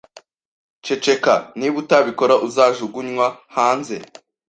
Ceceka. Niba utabikora, uzajugunywa hanze.